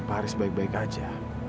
pak haris baik baik aja